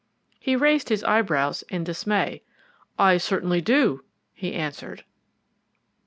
He raised his eyebrows in dismay. "I certainly do," he answered.